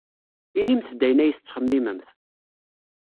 Inimt-d ayen ay tettxemmimemt.